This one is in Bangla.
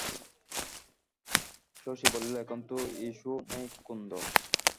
শশী বলিল, এখন তো ইশও নেই কুন্দ?